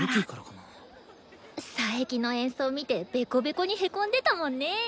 佐伯の演奏見てベコベコにへこんでたもんね。